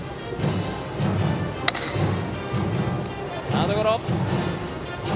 サードゴロ。